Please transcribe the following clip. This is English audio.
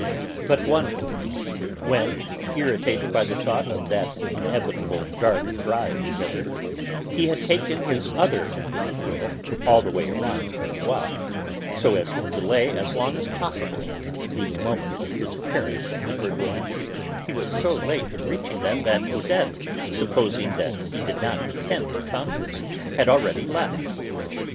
But one evening, when, irritated by the thought of that inevitable dark drive together, he had taken his other 'little girl' all the way to the Bois, so as to delay as long as possible the moment of his appearance at the Verdurins', he was so late in reaching them that Odette, supposing that he did not intend to come, had already left.